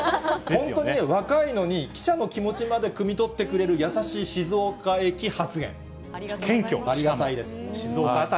本当に若いのに、記者の気持ちまでくみ取ってくれる優しい静岡駅発言。